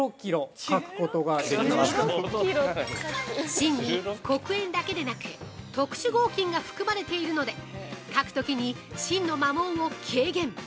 ◆芯に黒鉛だけでなく特殊合金が含まれているので書くときに芯の摩耗を軽減。